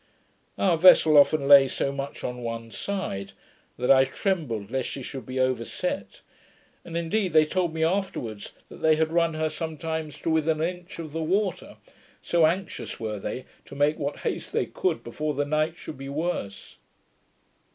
Our vessel often lay so much on one side, that I trembled lest she should be overset, and indeed they told me afterwards, that they had run her sometimes to within an inch of the water, so anxious were they to make what haste they could before the night should be worse.